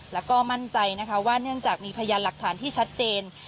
แล้วก็มั่นใจนะคะว่าเนื่องจากมีพยานหลักฐานที่ชัดเจน